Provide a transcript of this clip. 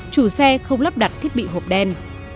chủ xe không lắp đặt thiết bị hộp đen